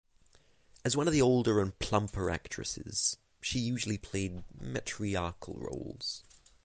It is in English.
As one of the older and plumper actresses she usually played matriarchal roles.